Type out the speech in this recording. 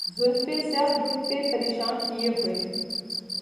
زلفِ سیاہ رُخ پہ پریشاں کیے ہوئے